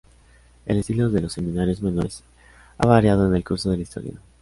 El estilo de los seminarios menores ha variado en el curso de la historia.